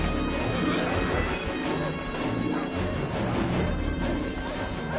うっ。